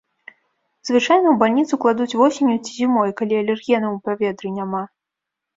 Звычайна ў бальніцу кладуць восенню ці зімой, калі алергенаў у паветры няма.